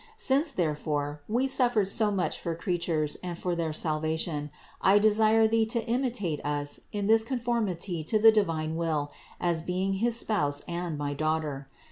Since, therefore, We suffered so much for creatures and for their salvation, I desire thee to imitate Us in this conformity to the divine will as being his spouse and my daughter.